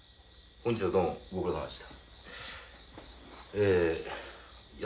本日はどうもご苦労さまです。